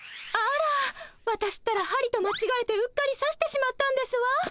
あらわたしったらはりとまちがえてうっかりさしてしまったんですわ。